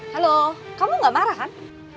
halo kamu gak marah kan